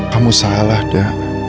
kamu salah da